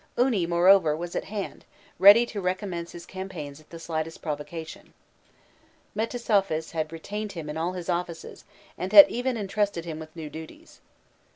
Uni, moreover, was at hand, ready to recommence his campaigns at the slightest provocation. Metesouphis had retained him in all his offices, and had even entrusted him with new duties.